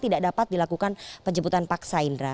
tidak dapat dilakukan penjemputan paksa indra